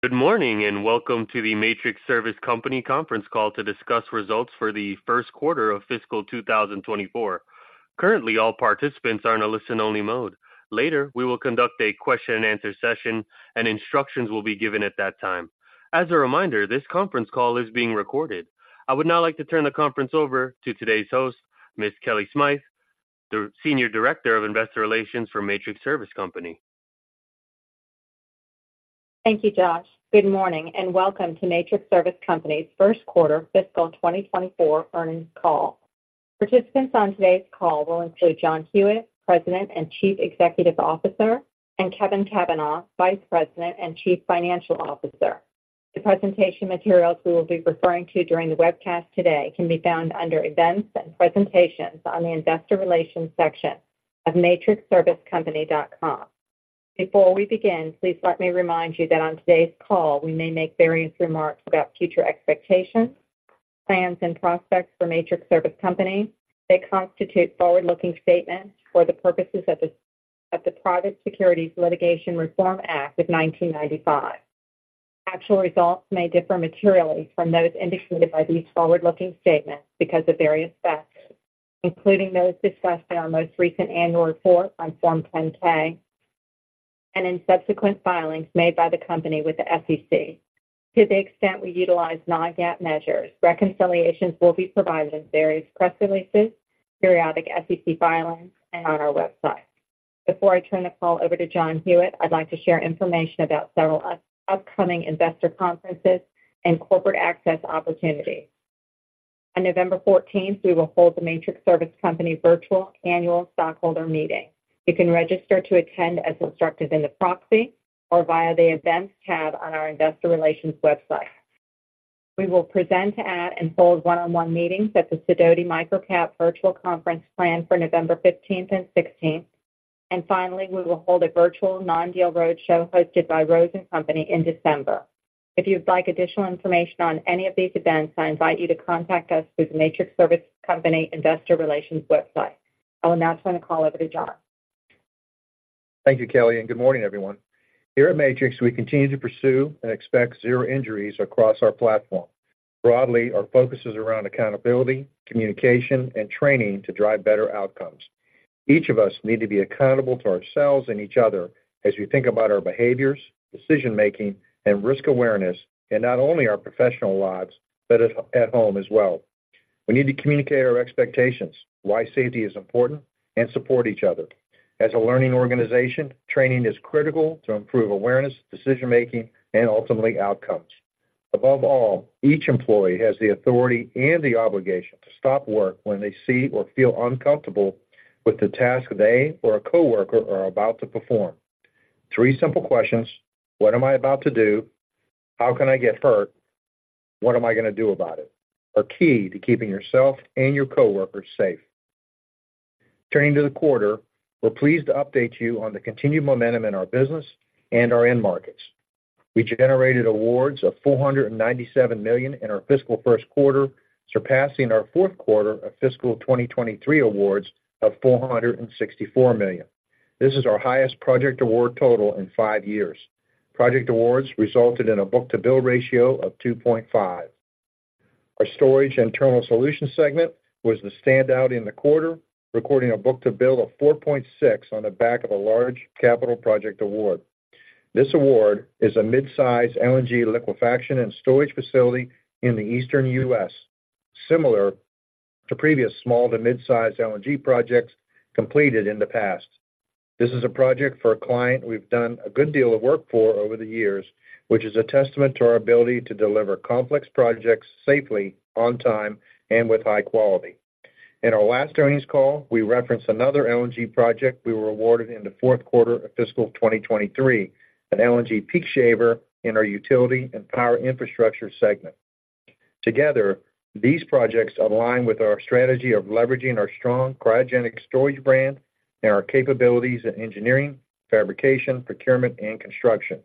Good morning, and welcome to the Matrix Service Company Conference Call to discuss results for the first quarter of fiscal 2024. Currently, all participants are in a listen-only mode. Later, we will conduct a question-and-answer session, and instructions will be given at that time. As a reminder, this conference call is being recorded. I would now like to turn the conference over to today's host, Ms. Kellie Smythe, the Senior Director of Investor Relations for Matrix Service Company. Thank you, Josh. Good morning, and welcome to Matrix Service Company's First Quarter Fiscal 2024 Earnings Call. Participants on today's call will include John Hewitt, President and Chief Executive Officer, and Kevin Cavanah, Vice President and Chief Financial Officer. The presentation materials we will be referring to during the webcast today can be found under Events and Presentations on the Investor Relations section of matrixservicecompany.com. Before we begin, please let me remind you that on today's call, we may make various remarks about future expectations, plans, and prospects for Matrix Service Company. They constitute forward-looking statements for the purposes of the Private Securities Litigation Reform Act of 1995. Actual results may differ materially from those indicated by these forward-looking statements because of various factors, including those discussed in our most recent annual report on Form 10-K and in subsequent filings made by the company with the SEC. To the extent we utilize non-GAAP measures, reconciliations will be provided in various press releases, periodic SEC filings, and on our website. Before I turn the call over to John Hewitt, I'd like to share information about several upcoming investor conferences and corporate access opportunities. On November 14th, we will hold the Matrix Service Company Virtual Annual Stockholder Meeting. You can register to attend as instructed in the proxy or via the Events tab on our Investor Relations website. We will present at and hold one-on-one meetings at the Sidoti MicroCap Virtual Conference planned for November 15th and 16th, and finally, we will hold a virtual non-deal roadshow hosted by Roth Company in December. If you'd like additional information on any of these events, I invite you to contact us through the Matrix Service Company Investor Relations website. I will now turn the call over to John. Thank you, Kellie, and good morning, everyone. Here at Matrix, we continue to pursue and expect zero injuries across our platform. Broadly, our focus is around accountability, communication, and training to drive better outcomes. Each of us need to be accountable to ourselves and each other as we think about our behaviors, decision-making, and risk awareness, in not only our professional lives, but at home as well. We need to communicate our expectations, why safety is important, and support each other. As a learning organization, training is critical to improve awareness, decision-making, and ultimately, outcomes. Above all, each employee has the authority and the obligation to stop work when they see or feel uncomfortable with the task they or a coworker are about to perform. Three simple questions: What am I about to do? How can I get hurt? What am I gonna do about it? Are key to keeping yourself and your coworkers safe. Turning to the quarter, we're pleased to update you on the continued momentum in our business and our end markets. We generated awards of $497 million in our fiscal first quarter, surpassing our fourth quarter of fiscal 2023 awards of $464 million. This is our highest project award total in 5 years. Project awards resulted in a book-to-bill ratio of 2.5. Our Storage and Terminal Solutions segment was the standout in the quarter, recording a book-to-bill of 4.6 on the back of a large capital project award. This award is a mid-size LNG liquefaction and storage facility in the eastern U.S., similar to previous small to mid-size LNG projects completed in the past. This is a project for a client we've done a good deal of work for over the years, which is a testament to our ability to deliver complex projects safely, on time, and with high quality. In our last earnings call, we referenced another LNG project we were awarded in the fourth quarter of fiscal 2023, an LNG peak shaver in our Utility and Power Infrastructure segment. Together, these projects align with our strategy of leveraging our strong cryogenic storage brand and our capabilities in engineering, fabrication, procurement, and construction.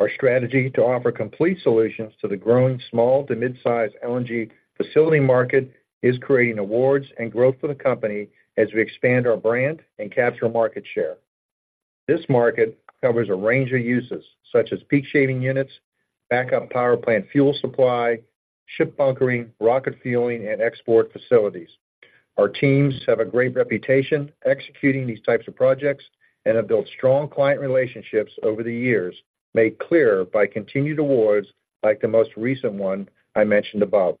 Our strategy to offer complete solutions to the growing small to mid-size LNG facility market is creating awards and growth for the company as we expand our brand and capture market share. This market covers a range of uses, such as peak shaving units, backup power plant fuel supply, ship bunkering, rocket fueling, and export facilities. Our teams have a great reputation executing these types of projects and have built strong client relationships over the years, made clear by continued awards like the most recent one I mentioned above.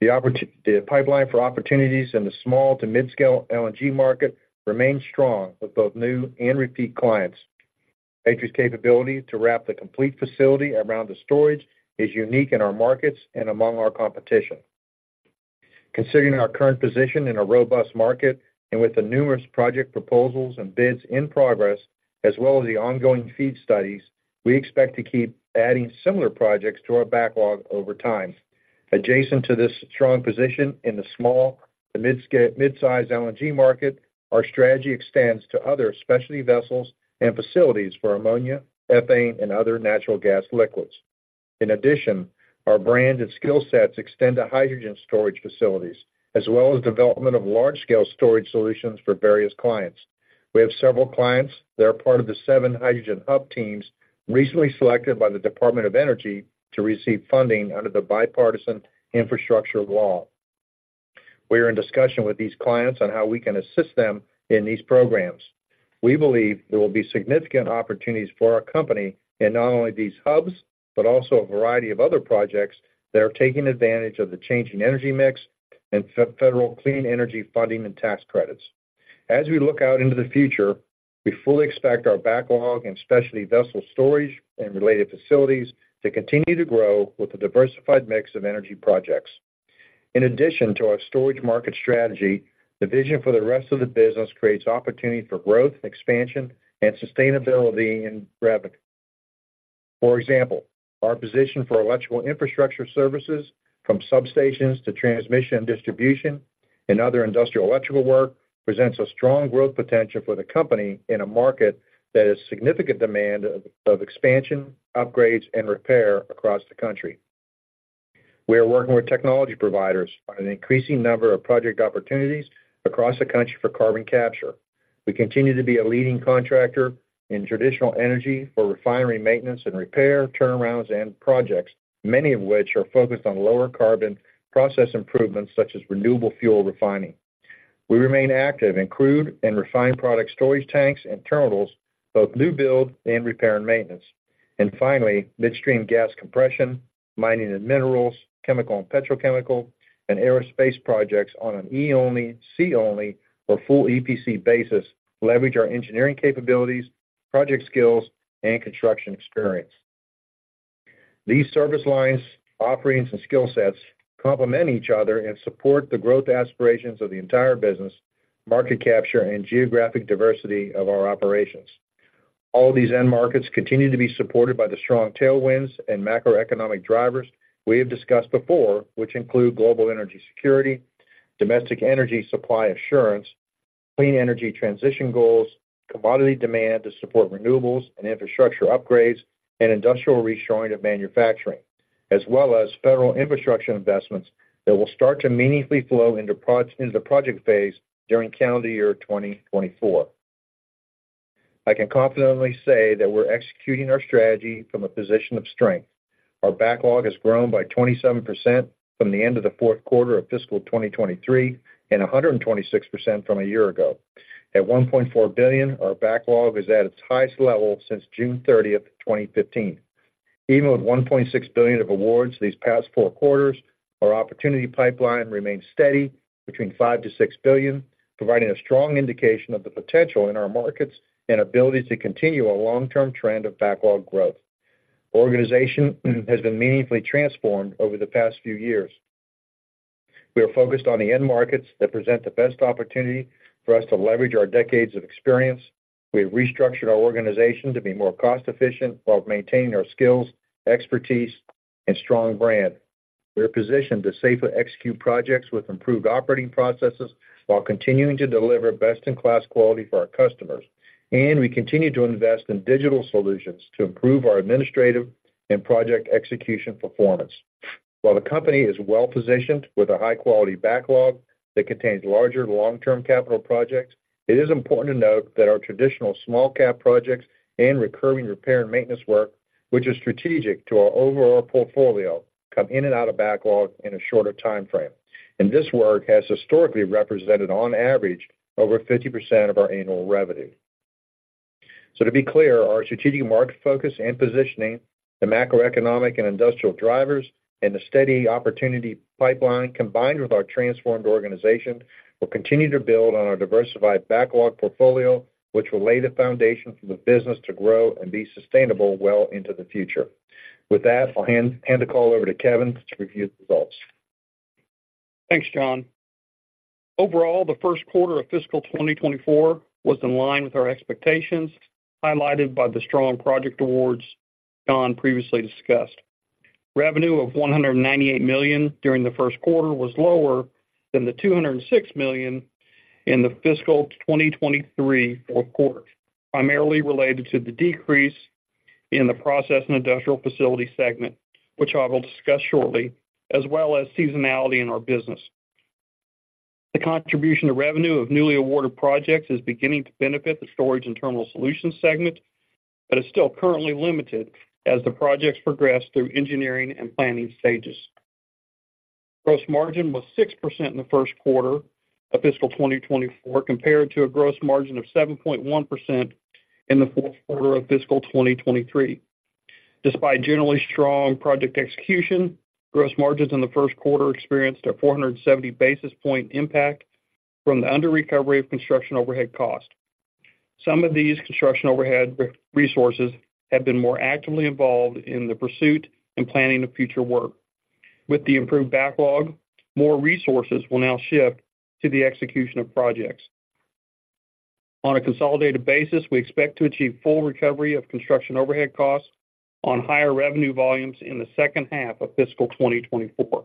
The pipeline for opportunities in the small to mid-scale LNG market remains strong with both new and repeat clients. Matrix capability to wrap the complete facility around the storage is unique in our markets and among our competition. Considering our current position in a robust market and with the numerous project proposals and bids in progress, as well as the ongoing FEED studies, we expect to keep adding similar projects to our backlog over time. Adjacent to this strong position in the small to mid-size LNG market, our strategy extends to other specialty vessels and facilities for ammonia, ethane, and other natural gas liquids. In addition, our brand and skill sets extend to hydrogen storage facilities, as well as development of large-scale storage solutions for various clients. We have several clients that are part of the seven hydrogen hub teams recently selected by the Department of Energy to receive funding under the Bipartisan Infrastructure Law. We are in discussion with these clients on how we can assist them in these programs. We believe there will be significant opportunities for our company in not only these hubs, but also a variety of other projects that are taking advantage of the changing energy mix and federal clean energy funding and tax credits. As we look out into the future, we fully expect our backlog and specialty vessel storage and related facilities to continue to grow with a diversified mix of energy projects. In addition to our storage market strategy, the vision for the rest of the business creates opportunity for growth, expansion, and sustainability and revenue. For example, our position for electrical infrastructure services, from substations to transmission and distribution and other industrial electrical work, presents a strong growth potential for the company in a market that has significant demand of expansion, upgrades, and repair across the country. We are working with technology providers on an increasing number of project opportunities across the country for carbon capture. We continue to be a leading contractor in traditional energy for refinery maintenance and repair, turnarounds, and projects, many of which are focused on lower-carbon process improvements, such as renewable fuel refining. We remain active in crude and refined product storage tanks and terminals, both new build and repair and maintenance. And finally, midstream gas compression, mining and minerals, chemical and petrochemical, and aerospace projects on an E-only, C-only, or full EPC basis, leverage our engineering capabilities, project skills, and construction experience. These service lines, offerings, and skill sets complement each other and support the growth aspirations of the entire business, market capture, and geographic diversity of our operations. All these end markets continue to be supported by the strong tailwinds and macroeconomic drivers we have discussed before, which include global energy security, domestic energy supply assurance, clean energy transition goals, commodity demand to support renewables and infrastructure upgrades, and industrial reshoring of manufacturing, as well as federal infrastructure investments that will start to meaningfully flow into the project phase during calendar year 2024. I can confidently say that we're executing our strategy from a position of strength. Our backlog has grown by 27% from the end of the fourth quarter of fiscal 2023, and 126% from a year ago. At $1.4 billion, our backlog is at its highest level since June 30, 2015. Even with $1.6 billion of awards these past 4 quarters, our opportunity pipeline remains steady between $5 billion-$6 billion, providing a strong indication of the potential in our markets and ability to continue our long-term trend of backlog growth. Organization has been meaningfully transformed over the past few years. We are focused on the end markets that present the best opportunity for us to leverage our decades of experience. We have restructured our organization to be more cost-efficient while maintaining our skills, expertise, and strong brand. We are positioned to safely execute projects with improved operating processes while continuing to deliver best-in-class quality for our customers, and we continue to invest in digital solutions to improve our administrative and project execution performance. While the company is well-positioned with a high-quality backlog that contains larger long-term capital projects, it is important to note that our traditional small-cap projects and recurring repair and maintenance work, which is strategic to our overall portfolio, come in and out of backlog in a shorter time frame. This work has historically represented, on average, over 50% of our annual revenue. So to be clear, our strategic market focus and positioning, the macroeconomic and industrial drivers, and the steady opportunity pipeline, combined with our transformed organization, will continue to build on our diversified backlog portfolio, which will lay the foundation for the business to grow and be sustainable well into the future. With that, I'll hand the call over to Kevin to review the results. Thanks, John. Overall, the first quarter of fiscal 2024 was in line with our expectations, highlighted by the strong project awards John previously discussed. Revenue of $198 million during the first quarter was lower than the $206 million in the fiscal 2023 fourth quarter, primarily related to the decrease in the Process and Industrial Facilities segment, which I will discuss shortly, as well as seasonality in our business. The contribution of revenue of newly awarded projects is beginning to benefit the Storage and Terminal Solutions segment, but is still currently limited as the projects progress through engineering and planning stages. Gross margin was 6% in the first quarter of fiscal 2024, compared to a gross margin of 7.1% in the fourth quarter of fiscal 2023. Despite generally strong project execution, gross margins in the first quarter experienced a 470 basis point impact from the underrecovery of construction overhead costs. Some of these construction overhead resources have been more actively involved in the pursuit and planning of future work. With the improved backlog, more resources will now shift to the execution of projects. On a consolidated basis, we expect to achieve full recovery of construction overhead costs on higher revenue volumes in the second half of fiscal 2024.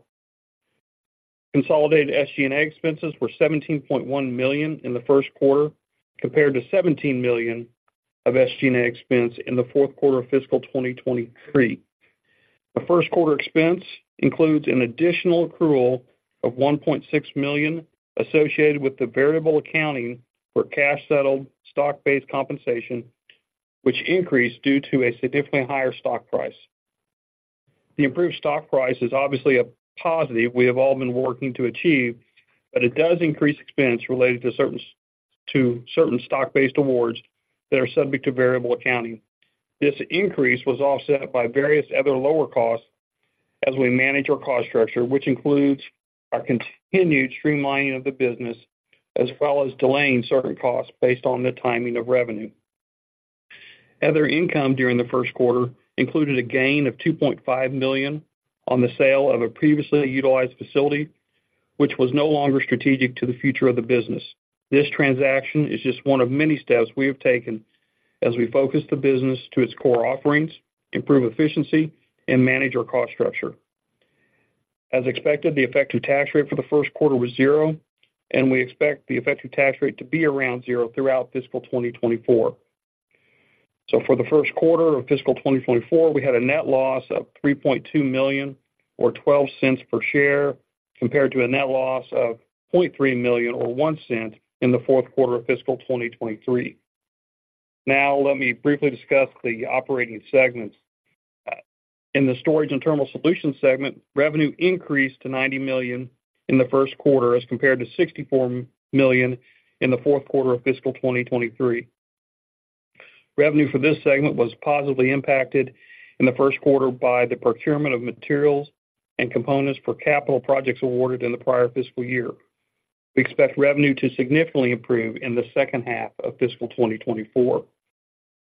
Consolidated SG&A expenses were $17.1 million in the first quarter, compared to $17 million of SG&A expense in the fourth quarter of fiscal 2023. The first quarter expense includes an additional accrual of $1.6 million associated with the variable accounting for cash-settled stock-based compensation, which increased due to a significantly higher stock price. The improved stock price is obviously a positive we have all been working to achieve, but it does increase expense related to certain to certain stock-based awards that are subject to variable accounting. This increase was offset by various other lower costs as we manage our cost structure, which includes our continued streamlining of the business, as well as delaying certain costs based on the timing of revenue. Other income during the first quarter included a gain of $2.5 million on the sale of a previously utilized facility, which was no longer strategic to the future of the business. This transaction is just one of many steps we have taken as we focus the business to its core offerings, improve efficiency, and manage our cost structure. As expected, the effective tax rate for the first quarter was 0%, and we expect the effective tax rate to be around 0% throughout fiscal 2024. So for the first quarter of fiscal 2024, we had a net loss of $3.2 million, or $0.12 per share, compared to a net loss of $0.3 million, or $0.01, in the fourth quarter of fiscal 2023. Now, let me briefly discuss the operating segments. In the Storage and Terminal Solutions segment, revenue increased to $90 million in the first quarter, as compared to $64 million in the fourth quarter of fiscal 2023. Revenue for this segment was positively impacted in the first quarter by the procurement of materials and components for capital projects awarded in the prior fiscal year. We expect revenue to significantly improve in the second half of fiscal 2024.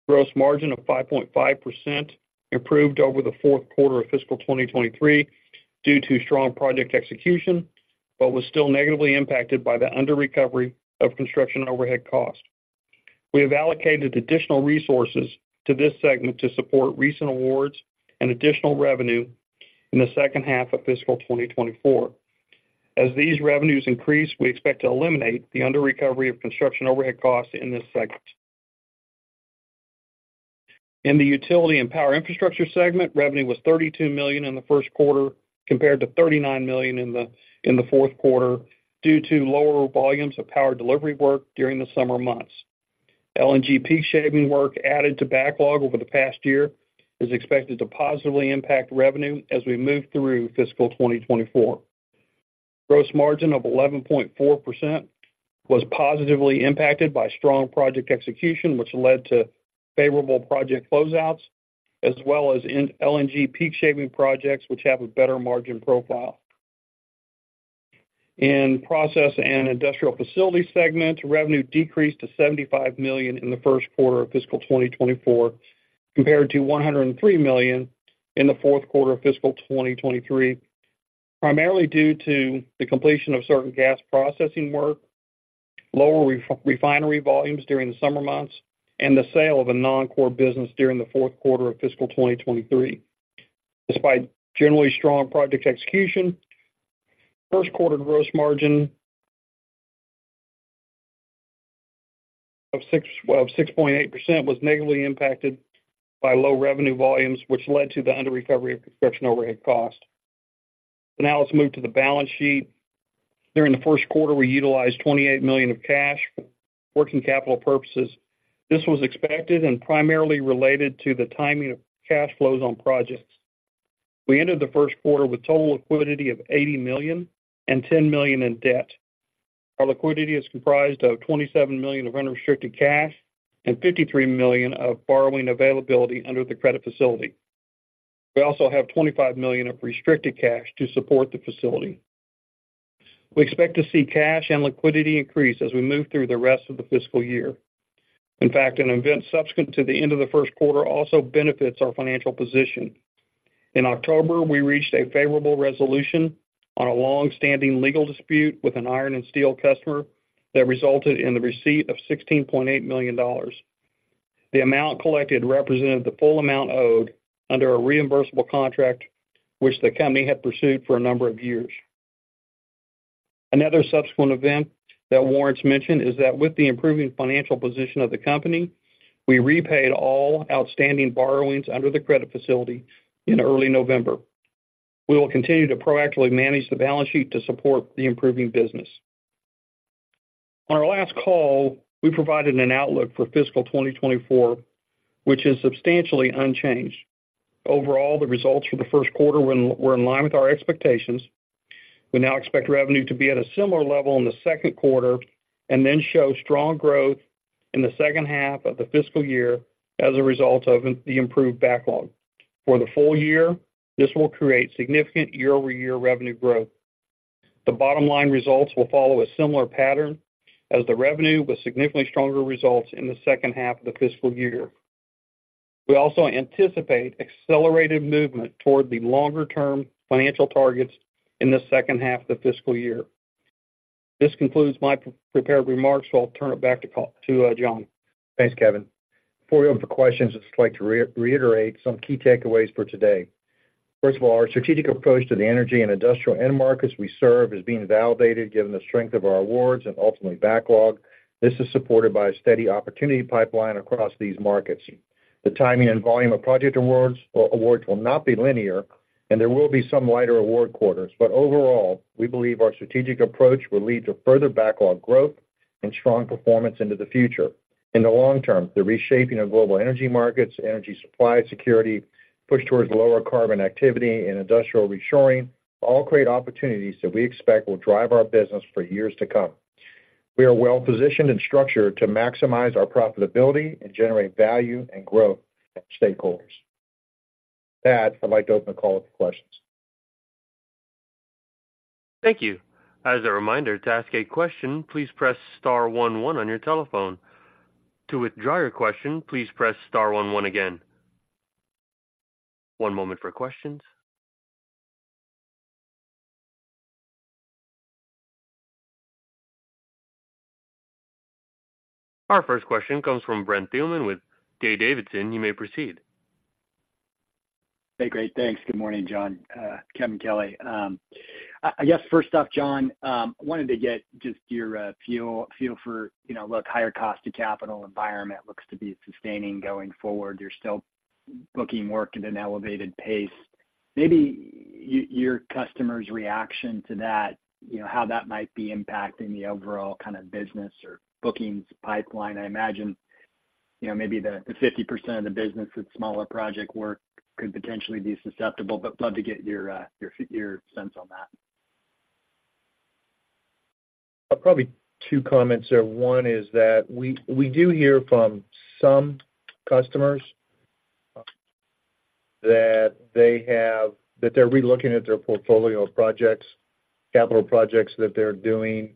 Gross margin of 5.5% improved over the fourth quarter of fiscal 2023 due to strong project execution, but was still negatively impacted by the under recovery of construction overhead costs. We have allocated additional resources to this segment to support recent awards and additional revenue in the second half of fiscal 2024. As these revenues increase, we expect to eliminate the under-recovery of construction overhead costs in this segment. In the Utility and Power Infrastructure segment, revenue was $32 million in the first quarter, compared to $39 million in the fourth quarter, due to lower volumes of power delivery work during the summer months. LNG peak shaving work added to backlog over the past year is expected to positively impact revenue as we move through fiscal 2024. Gross margin of 11.4% was positively impacted by strong project execution, which led to favorable project closeouts, as well as in LNG peak shaving projects, which have a better margin profile. In Process and Industrial Facilities segment, revenue decreased to $75 million in the first quarter of fiscal 2024, compared to $103 million in the fourth quarter of fiscal 2023, primarily due to the completion of certain gas processing work, lower refinery volumes during the summer months, and the sale of a non-core business during the fourth quarter of fiscal 2023. Despite generally strong project execution, first quarter gross margin of six, of 6.8% was negatively impacted by low revenue volumes, which led to the underrecovery of construction overhead cost. So now let's move to the balance sheet. During the first quarter, we utilized $28 million of cash for working capital purposes. This was expected and primarily related to the timing of cash flows on projects. We ended the first quarter with total liquidity of $80 million and $10 million in debt. Our liquidity is comprised of $27 million of unrestricted cash and $53 million of borrowing availability under the credit facility. We also have $25 million of restricted cash to support the facility. We expect to see cash and liquidity increase as we move through the rest of the fiscal year. In fact, an event subsequent to the end of the first quarter also benefits our financial position. In October, we reached a favorable resolution on a long-standing legal dispute with an iron and steel customer that resulted in the receipt of $16.8 million. The amount collected represented the full amount owed under a reimbursable contract, which the company had pursued for a number of years. Another subsequent event that warrants mention is that with the improving financial position of the company, we repaid all outstanding borrowings under the credit facility in early November. We will continue to proactively manage the balance sheet to support the improving business. On our last call, we provided an outlook for fiscal 2024, which is substantially unchanged. Overall, the results for the first quarter were in line with our expectations. We now expect revenue to be at a similar level in the second quarter and then show strong growth in the second half of the fiscal year as a result of the improved backlog. For the full year, this will create significant year-over-year revenue growth. The bottom line results will follow a similar pattern as the revenue, with significantly stronger results in the second half of the fiscal year. We also anticipate accelerated movement toward the longer-term financial targets in the second half of the fiscal year. This concludes my prepared remarks, so I'll turn it back to Paul, to, John. Thanks, Kevin. Before we open for questions, I'd just like to reiterate some key takeaways for today. First of all, our strategic approach to the energy and industrial end markets we serve is being validated, given the strength of our awards and ultimately backlog. This is supported by a steady opportunity pipeline across these markets. The timing and volume of project awards, or awards, will not be linear, and there will be some lighter award quarters. But overall, we believe our strategic approach will lead to further backlog growth and strong performance into the future. In the long term, the reshaping of global energy markets, energy supply security, push towards lower carbon activity, and industrial reshoring all create opportunities that we expect will drive our business for years to come. We are well positioned and structured to maximize our profitability and generate value and growth for stakeholders. With that, I'd like to open the call up to questions. Thank you. As a reminder, to ask a question, please press star one one on your telephone. To withdraw your question, please press star one one again. One moment for questions. Our first question comes from Brent Thielman with D.A. Davidson. You may proceed. Hey, great. Thanks. Good morning, John, Kevin, Kellie. I guess, first off, John, wanted to get just your feel for, you know, look, higher cost to capital environment looks to be sustaining going forward. You're still booking work at an elevated pace. Maybe your customers' reaction to that, you know, how that might be impacting the overall kind of business or bookings pipeline. I imagine, you know, maybe the 50% of the business that's smaller project work could potentially be susceptible, but love to get your sense on that. Probably two comments there. One is that we do hear from some customers that they're relooking at their portfolio of projects, capital projects that they're doing,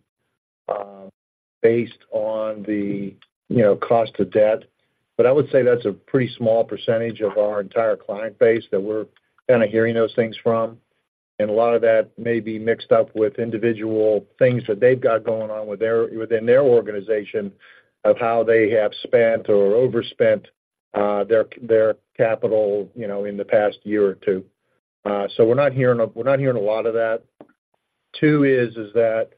based on the, you know, cost of debt. But I would say that's a pretty small percentage of our entire client base that we're kind of hearing those things from. And a lot of that may be mixed up with individual things that they've got going on within their organization of how they have spent or overspent their capital, you know, in the past year or two. So we're not hearing a lot of that. Two is that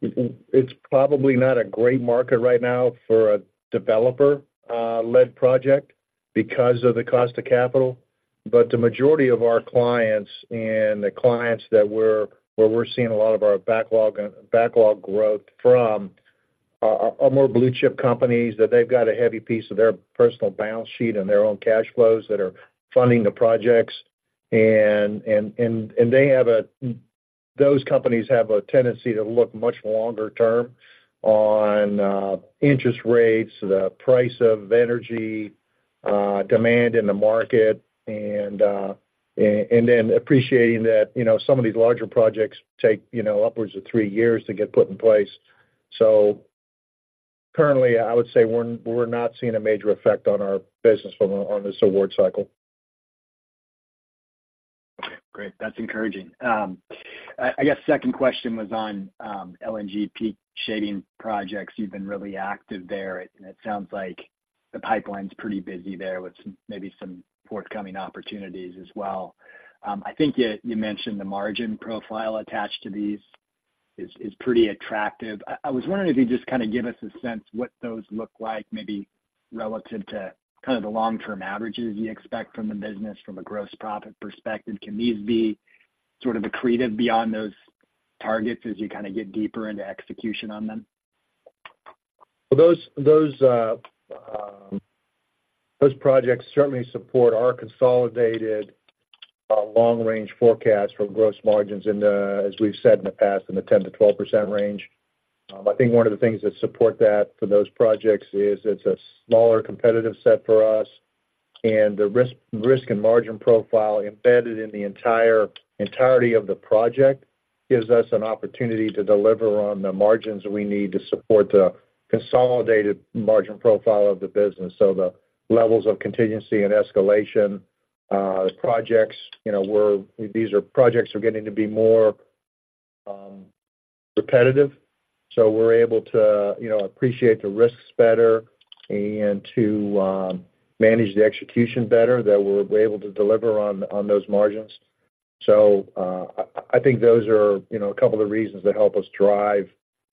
it's probably not a great market right now for a developer-led project because of the cost of capital. But the majority of our clients and the clients where we're seeing a lot of our backlog and backlog growth from are more blue chip companies that they've got a heavy piece of their personal balance sheet and their own cash flows that are funding the projects. And those companies have a tendency to look much longer term on interest rates, the price of energy, demand in the market, and then appreciating that, you know, some of these larger projects take, you know, upwards of three years to get put in place. So currently, I would say we're not seeing a major effect on our business from on this award cycle. Great. That's encouraging. I guess second question was on LNG peak shaving projects. You've been really active there, and it sounds like the pipeline's pretty busy there with some, maybe some forthcoming opportunities as well. I think you mentioned the margin profile attached to these is pretty attractive. I was wondering if you could just kind of give us a sense what those look like, maybe relative to kind of the long-term averages you expect from the business from a gross profit perspective. Can these be sort of accretive beyond those targets as you kind of get deeper into execution on them? Well, those projects certainly support our consolidated, long-range forecast for gross margins in the, as we've said in the past, in the 10%-12% range. I think one of the things that support that for those projects is it's a smaller competitive set for us, and the risk and margin profile embedded in the entirety of the project gives us an opportunity to deliver on the margins we need to support the consolidated margin profile of the business. So the levels of contingency and escalation, projects, you know, these projects are getting to be more, repetitive, so we're able to, you know, appreciate the risks better and to, manage the execution better, that we're able to deliver on those margins. I think those are, you know, a couple of the reasons that help us drive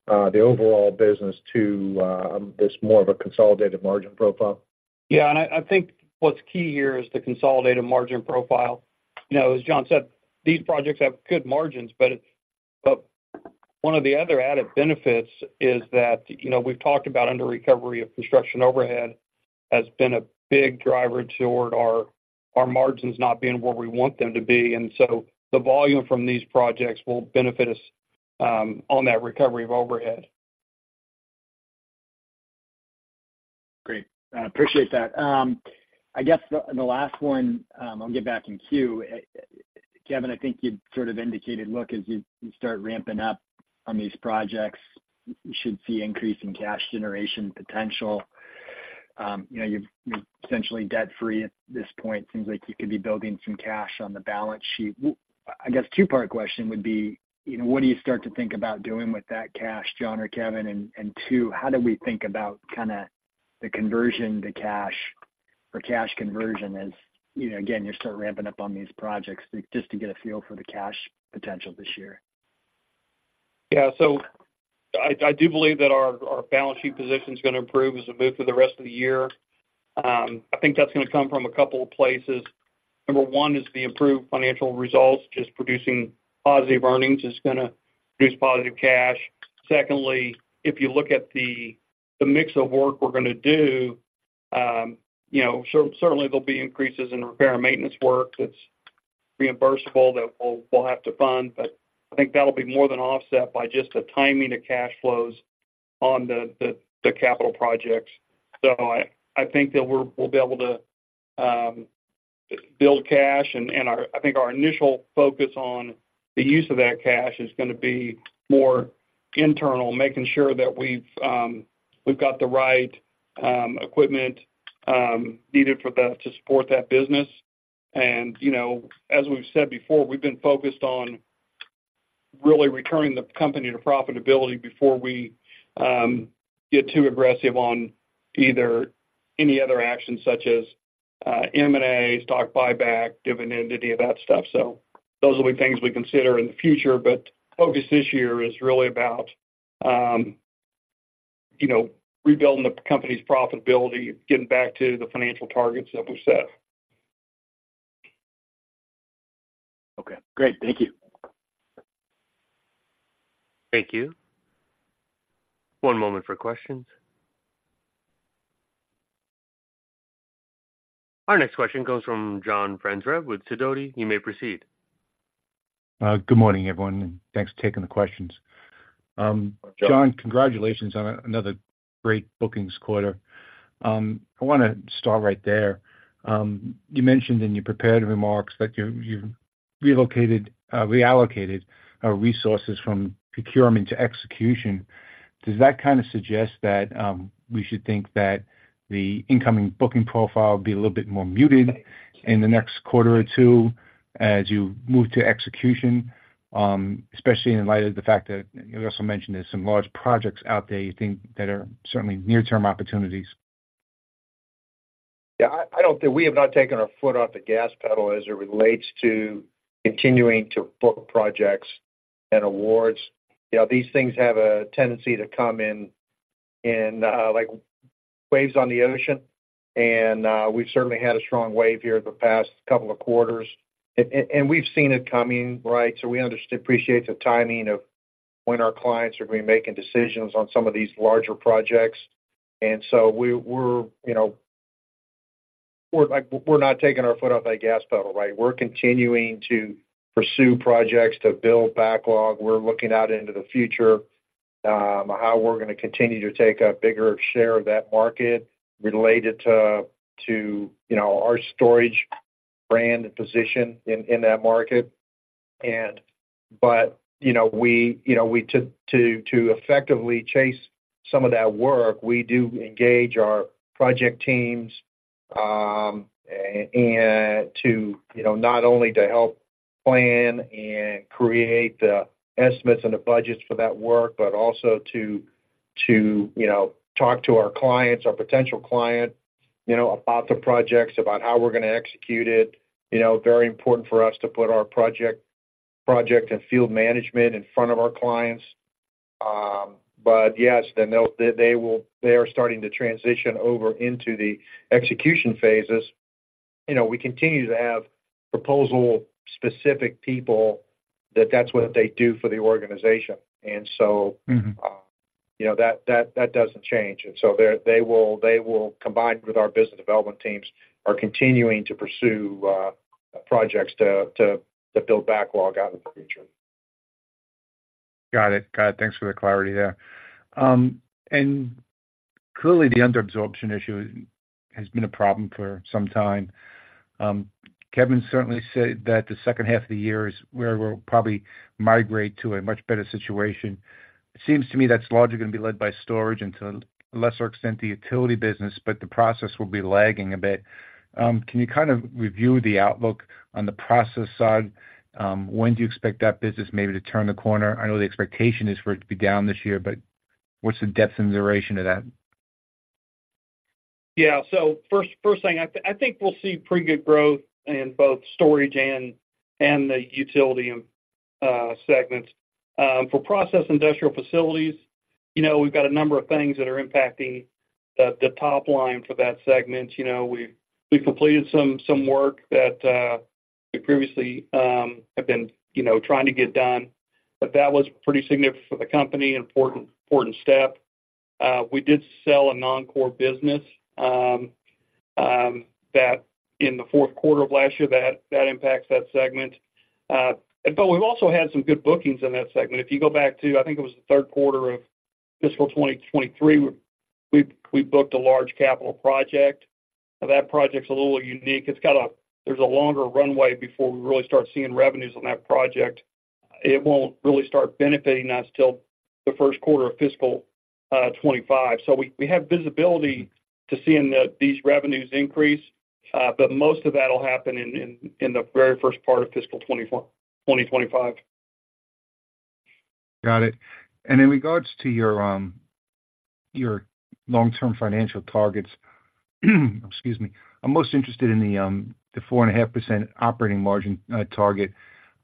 the overall business to this more of a consolidated margin profile. Yeah, and I think what's key here is the consolidated margin profile. You know, as John said, these projects have good margins, but one of the other added benefits is that, you know, we've talked about under recovery of construction overhead has been a big driver toward our margins not being where we want them to be. And so the volume from these projects will benefit us on that recovery of overhead. Great. I appreciate that. I guess the last one, I'll get back in queue. Kevin, I think you sort of indicated, look, as you start ramping up on these projects, you should see increase in cash generation potential. You know, you're essentially debt-free at this point. Seems like you could be building some cash on the balance sheet. I guess two-part question would be, you know, what do you start to think about doing with that cash, John or Kevin? And two, how do we think about kinda the conversion to cash or cash conversion as, you know, again, you start ramping up on these projects, just to get a feel for the cash potential this year? Yeah. So I do believe that our balance sheet position is gonna improve as we move through the rest of the year. I think that's gonna come from a couple of places. Number one is the improved financial results. Just producing positive earnings is gonna produce positive cash. Secondly, if you look at the mix of work we're gonna do, you know, certainly, there'll be increases in repair and maintenance work that's reimbursable, that we'll have to fund. But I think that'll be more than offset by just the timing of cash flows on the capital projects. So I think that we'll be able to build cash, and our-- I think our initial focus on the use of that cash is gonna be more internal, making sure that we've we've got the right equipment needed for that to support that business. You know, as we've said before, we've been focused on really returning the company to profitability before we get too aggressive on either any other actions, such as M&A, stock buyback, dividend, any of that stuff. Those will be things we consider in the future, but focus this year is really about you know, rebuilding the company's profitability, getting back to the financial targets that we've set. Okay, great. Thank you. Thank you. One moment for questions. Our next question comes from John Franzreb with Sidoti. You may proceed. Good morning, everyone, and thanks for taking the questions. John- John, congratulations on another great bookings quarter. I wanna start right there. You mentioned in your prepared remarks that you reallocated resources from procurement to execution. Does that kind of suggest that we should think that the incoming booking profile will be a little bit more muted in the next quarter or two as you move to execution? Especially in light of the fact that you also mentioned there's some large projects out there you think that are certainly near-term opportunities. Yeah, I don't think we have not taken our foot off the gas pedal as it relates to continuing to book projects and awards. You know, these things have a tendency to come in like waves on the ocean, and we've certainly had a strong wave here the past couple of quarters. And we've seen it coming, right? So we appreciate the timing of when our clients are gonna be making decisions on some of these larger projects. And so we're, you know, we're like, we're not taking our foot off that gas pedal, right? We're continuing to pursue projects to build backlog. We're looking out into the future, how we're gonna continue to take a bigger share of that market related to, you know, our storage brand and position in that market. But you know, we you know, we to effectively chase some of that work, we do engage our project teams, and to you know, not only to help plan and create the estimates and the budgets for that work, but also to you know, talk to our clients, our potential client, you know, about the projects, about how we're gonna execute it. You know, very important for us to put our project and field management in front of our clients. But yes, then they are starting to transition over into the execution phases. You know, we continue to have proposal-specific people, that's what they do for the organization. And so you know, that doesn't change. And so they will, combined with our business development teams, are continuing to pursue projects to build backlog out in the future. Got it. Thanks for the clarity there. Clearly, the under absorption issue has been a problem for some time. Kevin certainly said that the second half of the year is where we'll probably migrate to a much better situation. It seems to me that's largely gonna be led by storage and to a lesser extent, the utility business, but the process will be lagging a bit. Can you kind of review the outlook on the process side? When do you expect that business maybe to turn the corner? I know the expectation is for it to be down this year, but what's the depth and duration of that? Yeah. So first thing, I think we'll see pretty good growth in both Storage and the Utility segments. For Process Industrial Facilities, you know, we've got a number of things that are impacting the top line for that segment. You know, we've completed some work that we previously have been, you know, trying to get done, but that was pretty significant for the company, an important step. We did sell a non-core business that in the fourth quarter of last year, that impacts that segment. But we've also had some good bookings in that segment. If you go back to, I think it was the third quarter of fiscal 2023, we booked a large capital project. Now that project's a little unique. There's a longer runway before we really start seeing revenues on that project. It won't really start benefiting us till the first quarter of fiscal 2025. So we have visibility to seeing that these revenues increase, but most of that will happen in the very first part of fiscal 2024, 2025. Got it. In regards to your, your long-term financial targets, excuse me. I'm most interested in the 4.5% operating margin, target.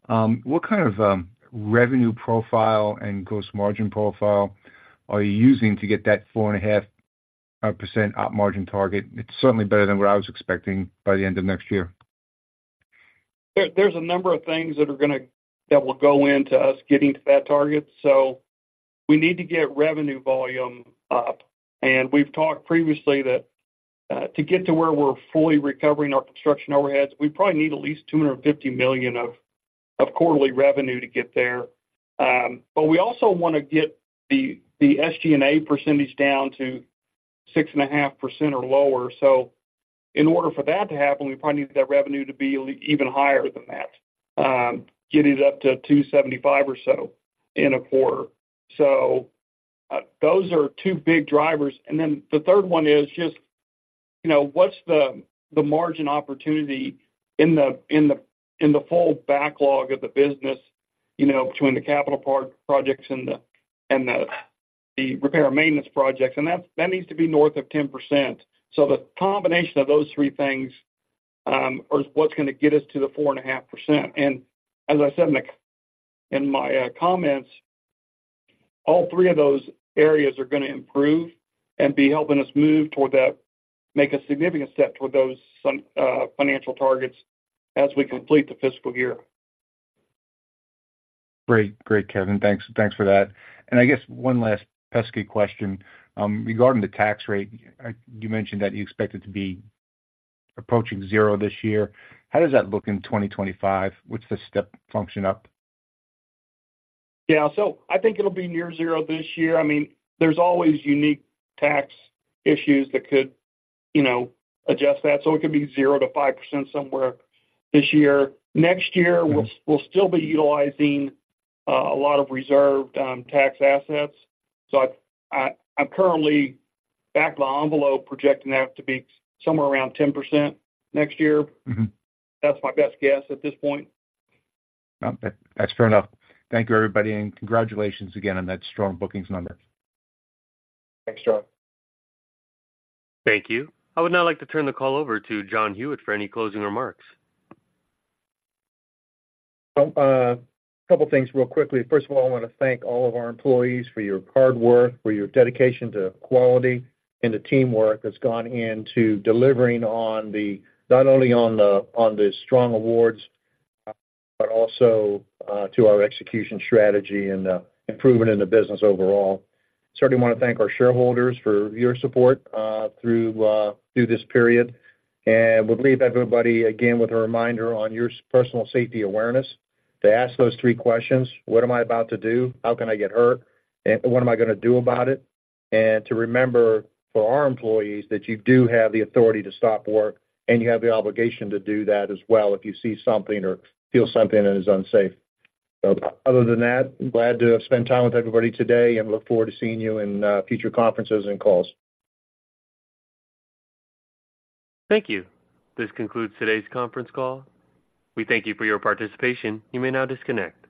What kind of, revenue profile and gross margin profile are you using to get that 4.5%, op margin target? It's certainly better than what I was expecting by the end of next year. There's a number of things that will go into us getting to that target. We need to get revenue volume up. We've talked previously that to get to where we're fully recovering our construction overheads, we probably need at least $250 million of quarterly revenue to get there. But we also wanna get the SG&A percentage down to 6.5% or lower. In order for that to happen, we probably need that revenue to be even higher than that, get it up to $275 million or so in a quarter. Those are two big drivers. And then the third one is just, you know, what's the margin opportunity in the full backlog of the business, you know, between the capital part projects and the repair and maintenance projects? And that needs to be north of 10%. So the combination of those three things are what's gonna get us to the 4.5%. And as I said in my comments, all three of those areas are gonna improve and be helping us move toward that make a significant step toward those some financial targets as we complete the fiscal year. Great, Kevin. Thanks. Thanks for that. And I guess one last pesky question, regarding the tax rate. You mentioned that you expect it to be approaching zero this year. How does that look in 2025? What's the step function up? Yeah. So I think it'll be near zero this year. I mean, there's always unique tax issues that could, you know, adjust that, so it could be 0%-5% somewhere this year. Next year, we'll still be utilizing a lot of reserved tax assets, so I'm currently, back of the envelope, projecting that to be somewhere around 10% next year. That's my best guess at this point. Okay. That's fair enough. Thank you, everybody, and congratulations again on that strong bookings number. Thanks, John. Thank you. I would now like to turn the call over to John Hewitt for any closing remarks. Well, a couple things real quickly. First of all, I wanna thank all of our employees for your hard work, for your dedication to quality, and to teamwork that's gone into delivering not only on the strong awards, but also to our execution strategy and improving in the business overall. Certainly want to thank our shareholders for your support through this period. And would leave everybody, again, with a reminder on your personal safety awareness, to ask those three questions: What am I about to do? How can I get hurt? And what am I gonna do about it? And to remember, for our employees, that you do have the authority to stop work, and you have the obligation to do that as well if you see something or feel something, and is unsafe. So other than that, glad to have spent time with everybody today, and look forward to seeing you in future conferences and calls. Thank you. This concludes today's conference call. We thank you for your participation. You may now disconnect.